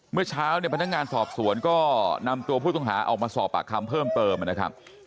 เมื่อเช้าเนี่ยพนักงานสอบสวนก็นำตัวผู้ต้องหาออกมาสอบปากคำเพิ่มเติมนะครับ